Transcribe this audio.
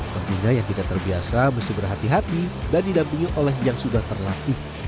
tentunya yang tidak terbiasa mesti berhati hati dan didampingi oleh yang sudah terlatih